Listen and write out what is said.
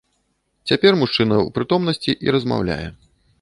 Цяпер мужчына ў прытомнасці і размаўляе.